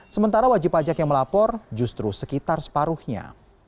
sementara wajib pajak yang melapor justru sekitar separuhnya